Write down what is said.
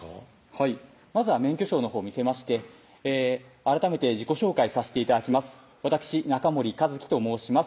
はいまずは免許証のほう見せまして「改めて自己紹介させて頂きますわたくし中森一希と申します」